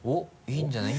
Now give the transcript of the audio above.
いいんじゃない？